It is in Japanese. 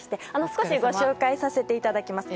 少しご紹介させていただきます。